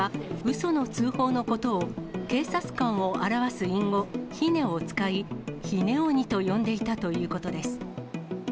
その通報のことを、警察官を表す隠語、ひねを使い、ひね鬼と呼んでいたということです。